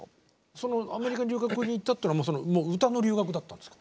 そのアメリカに留学に行ったというのは歌の留学だったんですか？